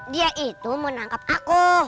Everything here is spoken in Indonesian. dia itu mau nangkap aku